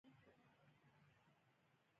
ماشوم د خپلو ماشومانو لپاره سندره ویله.